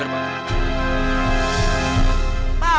pak haji bener banget